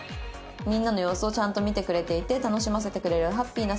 みんなの様子をちゃんと見てくれていて楽しませてくれるハッピーな姿に惹かれちゃいました」